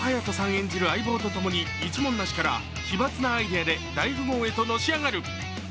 演じる相棒とともに一文無しから奇抜なアイデアで大富豪へとのし上がる。